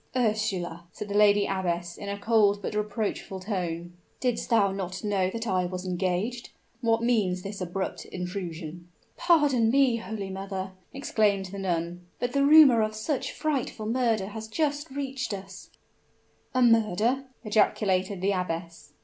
"Ursula," said the lady abbess, in a cold but reproachful tone, "didst thou not know that I was engaged? What means this abrupt intrusion?" "Pardon me, holy mother!" exclaimed the nun: "but the rumor of such a frightful murder has just reached us " "A murder!" ejaculated the abbess.